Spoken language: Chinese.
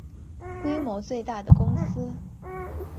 规模最大的公司